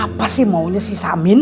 apa sih maunya si samin